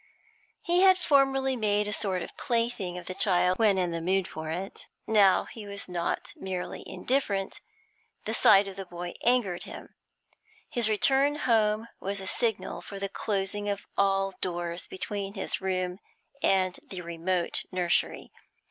He had formerly made a sort of plaything of the child when in the mood for it; now he was not merely indifferent the sight of the boy angered him. His return home was a signal for the closing of all doors between his room and the remote nursery.